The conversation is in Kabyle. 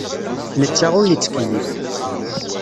Netta ur yettkeyyif.